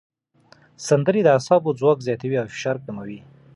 سندرې د اعصابو ځواک زیاتوي او فشار کموي.